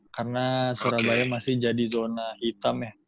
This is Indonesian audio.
karena surabaya masih jadi zona hitam ya